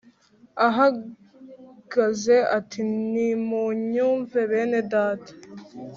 ahagaze ati Nimunyumve bene data